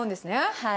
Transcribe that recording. はい。